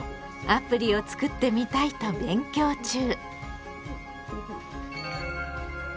アプリをつくってみたいと勉強中。